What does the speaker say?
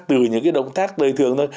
từ những động tác đầy thường thôi